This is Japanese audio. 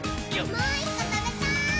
もう１こ、たべたい！